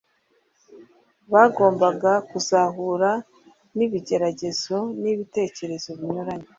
Bagombaga kuzahura n'ibigeragezo n'ibitekerezo binyuranye